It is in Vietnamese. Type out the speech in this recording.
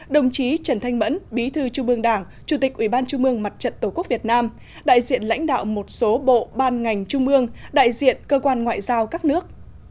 đồng chí trần thanh mẫn bí thư trung ương đảng chủ tịch ủy ban trung mương mặt trận tổ quốc việt nam đại diện lãnh đạo một số bộ ban ngành trung ương đại diện cơ quan ngoại giao các nước